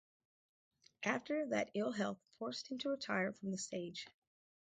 After that ill health forced him to retire from the stage.